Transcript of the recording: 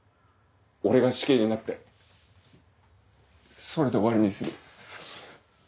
俺が死刑になってそれで終わりにする。